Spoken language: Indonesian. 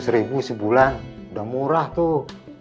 lima ratus ribu sebulan udah murah tuh